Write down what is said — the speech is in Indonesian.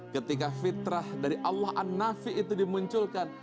ketika fitrah dari allah an nafi itu dimunculkan